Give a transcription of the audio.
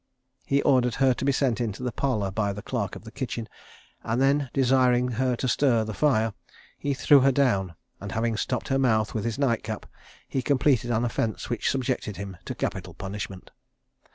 He ordered her to be sent into the parlour by the clerk of the kitchen, and then desiring her to stir the fire, he threw her down, and having stopped her mouth with his nightcap, he completed an offence which subjected him to capital punishment.